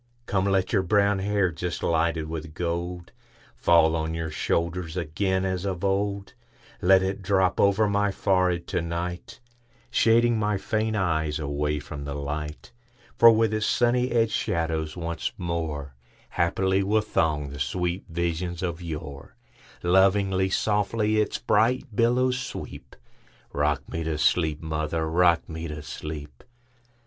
Come, let your brown hair, just lighted with gold, Fall on your shoulders again as of old; Let it drop over my forehead to night, Shading my faint eyes away from the light; For with its sunny edged shadows once moreHaply will throng the sweet visions of yore; Lovingly, softly, its bright billows sweep;—Rock me to sleep, mother,—rock me to sleep!